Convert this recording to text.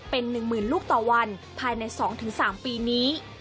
เป็น๑๐๐๐ลูกต่อวันภายใน๒๓ปีนี้